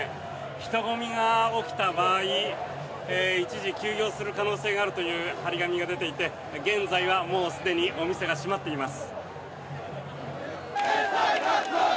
人混みが起きた場合一時休業する可能性があるという貼り紙が出ていて現在はもうすでにお店が閉まっています。